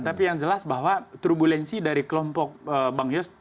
tapi yang jelas bahwa turbulensi dari kelompok bang yos